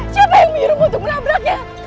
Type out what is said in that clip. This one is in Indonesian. siapa yang minta kamu untuk melabraknya